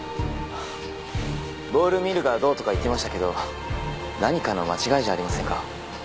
ボールミルがどうとか言ってましたけど何かの間違いじゃありませんか？